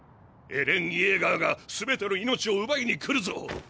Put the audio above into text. エレン・イェーガーがすべての命を奪いに来るぞ！！